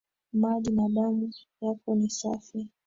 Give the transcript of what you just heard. Maji na damu yako ni safi